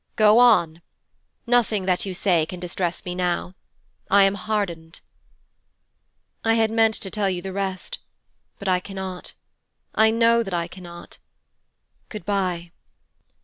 'Go on. Nothing that you say can distress me now. I am hardened.' 'I had meant to tell you the rest, but I cannot: I know that I cannot: good bye.'